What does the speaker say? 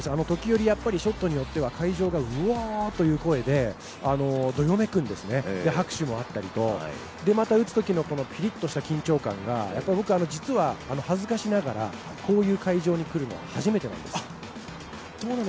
ショットによっては会場がうおーという声でどよめくんですね、拍手もあったりと、また打つときのぴりっとした緊張感が僕実は恥ずかしながら、こういう会場に来るのは初めてなんですよ。